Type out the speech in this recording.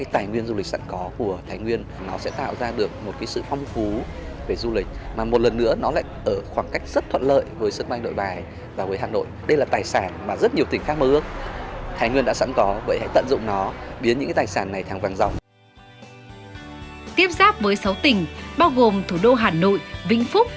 tiếp giáp với sáu tỉnh bao gồm thủ đô hà nội vĩnh phúc